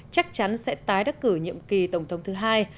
chắc chắn sẽ tái đắc cử nhiệm kỳ tổng thống thứ hai